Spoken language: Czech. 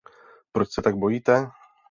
Proč se tak bojíte?